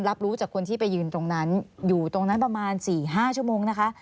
รับรู้จากคนที่ไปยืนตรงนั้นอยู่ตรงนั้นประมาณ๔๕ชั่วโมงนะคะ